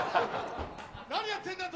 何やってんだと。